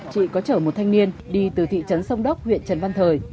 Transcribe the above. chị có chở một thanh niên đi từ thị trấn sông đốc huyện trần văn thời